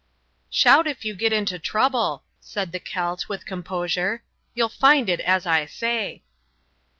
"Shout if you get into trouble," said the Celt, with composure; "you will find it as I say."